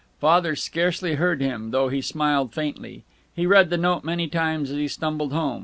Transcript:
Father scarcely heard him, though he smiled faintly. He read the note many times as he stumbled home.